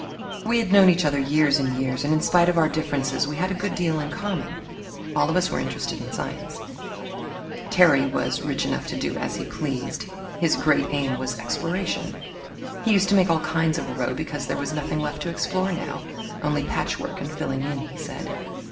We had known each other years and years, and in spite of our differences we had a good deal in common. All of us were interested in science. Terry was rich enough to do as he pleased. His great aim was exploration. He used to make all kinds of a row because there was nothing left to explore now, only patchwork and filling in, he said.